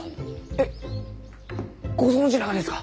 えっご存じながですか？